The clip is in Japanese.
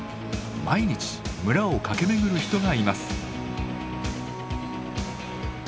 毎日村を駆け巡る人がいます。